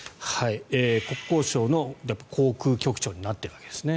国交省の航空局長になっているわけですね。